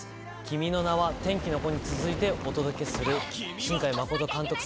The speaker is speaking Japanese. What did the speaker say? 『君の名は。』『天気の子』に続いてお届けする新海誠監督